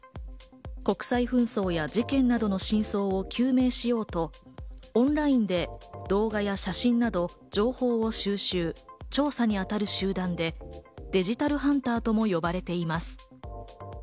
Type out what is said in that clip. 国際紛争や事件などの真相を究明しようと、オンラインで動画や写真など情報を収集、調査に当たる集団でデジタルハンターとも呼ばれています。